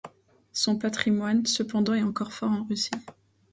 Son patrimoine, cependant, est encore fort en Russie.